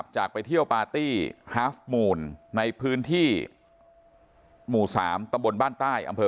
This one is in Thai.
จากไปเที่ยวปาร์ตี้ฮาฟมูลในพื้นที่หมู่๓ตำบลบ้านใต้อำเภอ